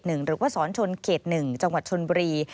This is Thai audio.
หรือว่าสอนชนเขต๑จังหวัดชนบุรี